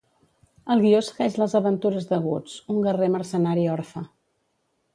El guió segueix les aventures de Guts, un guerrer mercenari orfe.